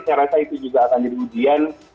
saya rasa itu juga akan jadi ujian